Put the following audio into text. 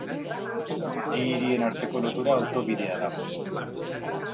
Bi hirien arteko lotura autobidea da.